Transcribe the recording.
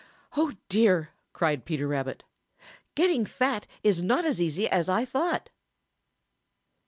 "Oh, dear!" cried Peter Rabbit. "Getting fat is not as easy as I thought!"